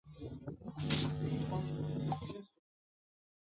弘治十八年乙丑科三甲第一名进士。